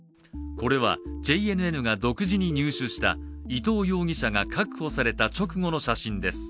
これはＪＮＮが独自に入手した伊藤容疑者が確保された直後の写真です。